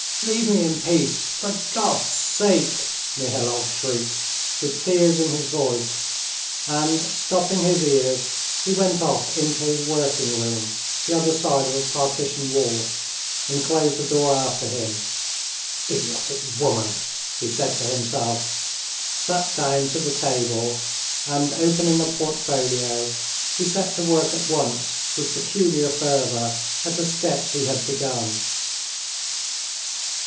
"Leave me in peace, for God's sake!" Mihailov shrieked, with tears in his voice, and, stopping his ears, he went off into his working room, the other side of a partition wall, and closed the door after him. "Idiotic woman!" he said to himself, sat down to the table, and, opening a portfolio, he set to work at once with peculiar fervor at a sketch he had begun.